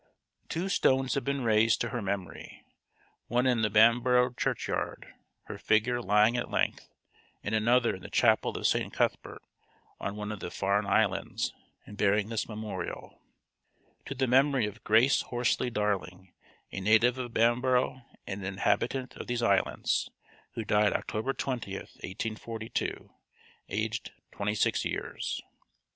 Two stones have been raised to her memory, one in the Bamborough churchyard, her figure lying at length; and another in the chapel of St. Cuthbert, on one of the Farne Islands, and bearing this memorial: TO THE MEMORY OF Grace Horsley Darling A NATIVE OF BAMBOROUGH AND AN INHABITANT OF THESE ISLANDS WHO DIED OCTOBER 20TH, 1842, AGED 26 YEARS.